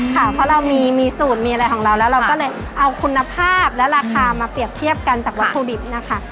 ค่ะเพราะเรามีสูตรมีอะไรของเราแล้วเราก็เลยเอาคุณภาพและราคามาเปรียบเทียบกันจากวัตถุดิบนะคะ